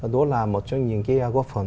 đó là một trong những cái góp phần